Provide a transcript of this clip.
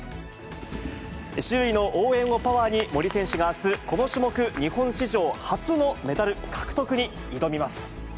周囲の応援をパワーに森選手があす、この種目、日本史上初のメダル獲得に挑みます。